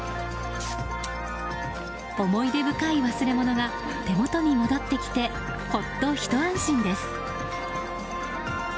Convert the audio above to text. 思い出深い忘れ物が手元に戻ってきてほっとひと安心です。